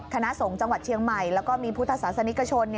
คณะสงฆ์จังหวัดเชียงใหม่แล้วก็มีพุทธศาสนิกชน